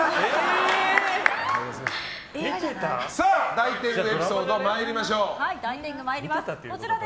大天狗エピソード参りましょう。